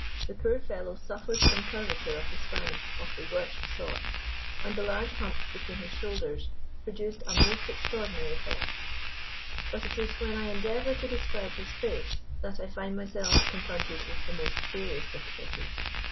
The poor fellow suffered from curvature of the spine of the worst sort, and the large hump between his shoulders produced a most extraordinary effect. But it is when I endeavor to describe his face that I find myself confronted with the most serious difficulty.